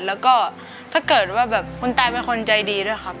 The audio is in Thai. แล้วก็ถ้าเกิดว่าแบบคุณตาเป็นคนใจดีด้วยครับ